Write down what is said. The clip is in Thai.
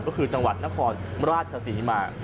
ก็คือจังหวัดณบราชสนียมา